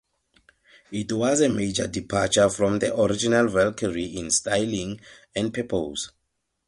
It was a major departure from the original Valkyrie in styling and purpose.